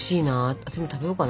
私も食べようかな。